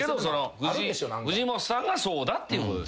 藤本さんがそうだっていうことですよね。